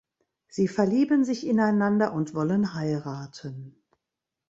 Sie verlieben sich ineinander und wollen heiraten.